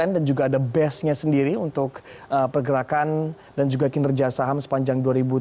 dan juga ada base nya sendiri untuk pergerakan dan juga kinerja saham sepanjang dua ribu tujuh belas